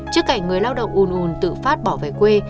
trước cảnh người lao động ùn ùn tự phát bỏ về quê